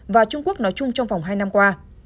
và trung quốc nói chung trong vòng hai năm qua